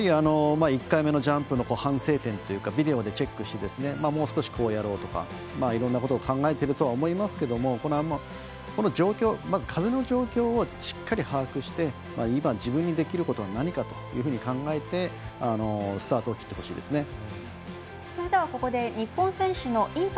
１回目のジャンプの反省点とかをビデオでチェックしてもう少し、こうやろうとかいろんなことを考えていると思いますけどもこの状況、まず風の状況をしっかり把握して今、自分にできることは何かというふうに考えてスタートを切ってほしいですね。